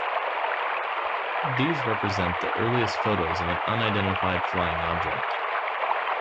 These represent the earliest photos of an unidentified flying object.